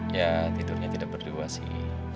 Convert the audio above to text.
ya tidurnya tidak berdua sih